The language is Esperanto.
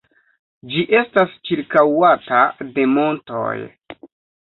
Ĝi estas ĉirkaŭata de montoj.